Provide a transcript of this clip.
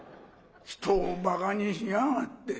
人をバカにしやがって。